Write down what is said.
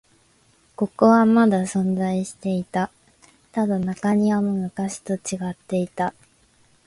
ここはまだ存在していた。ただ、中庭も昔と違っていた。